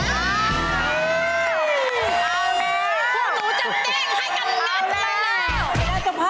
เอาแม่งพวกหนูจะเต้นให้กันมิ้นไปแล้ว